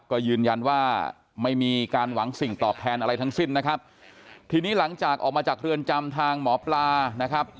ก็ยืนยันว่าไม่มีการหวังสิ่งตอบแทนอะไรทั้งสิ้นนะครับทีนี้หลังจากออกมาจากเรือนจำทางหมอปลานะครับ